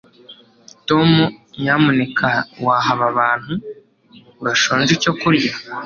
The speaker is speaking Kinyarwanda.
tom, nyamuneka waha aba bantu bashonje icyo kurya